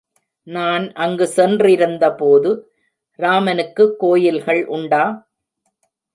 நான் அங்கு சென்றிருந்தபோது, ராமனுக்குக் கோயில்கள் உண்டா?